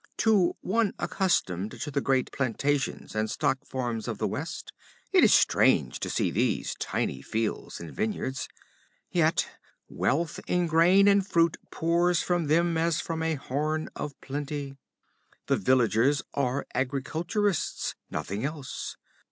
To one accustomed to the great plantations and stock farms of the West, it is strange to see these tiny fields and vineyards; yet wealth in grain and fruit pours from them as from a horn of plenty. The villagers are agriculturists, nothing else.